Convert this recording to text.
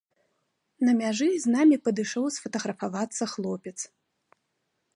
На мяжы з намі падышоў сфатаграфавацца хлопец.